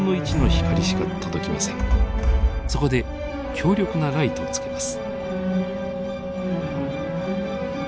そこで強力なライトをつけます。